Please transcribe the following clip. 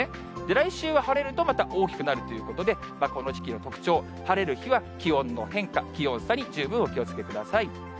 来週は晴れると、また大きくなるということで、この時期の特徴、晴れる日は、気温の変化、気温差に十分お気をつけください。